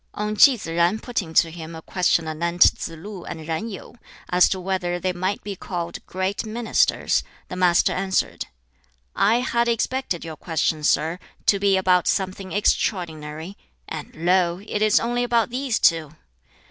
On Ki Tsz jen putting to him a question anent Tsz lu and Yen Yu, as to whether they might be called "great ministers," the Master answered, "I had expected your question, sir, to be about something extraordinary, and lo! it is only about these two.